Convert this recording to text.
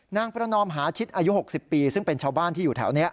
นางประนอมหาชิดอายุ๖๐ปีซึ่งเป็นชาวบ้านที่อยู่แถวนี้